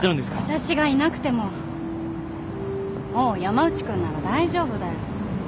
私がいなくてももう山内君なら大丈夫だよ。